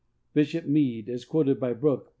Bishop Meade, as quoted by Brooke, pp.